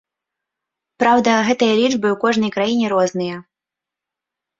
Праўда, гэтыя лічбы ў кожнай краіне розныя.